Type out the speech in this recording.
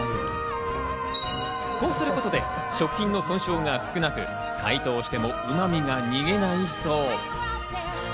こうすることで食品の損傷が少なく解凍しても、うま味が逃げないそう。